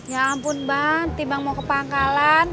ya ampun bang tim bang mau ke pangkalan